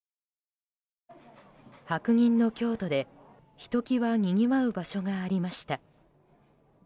白銀の京都で、ひときわにぎわう場所がありました。